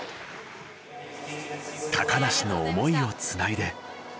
梨の思いをつないで。